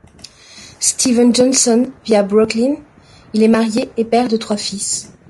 Steven Johnson vit à Brooklyn, il est marié et père de trois fils.